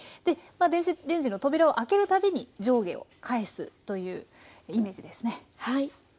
電子レンジの扉を開けるたびに上下を返すというイメージですね。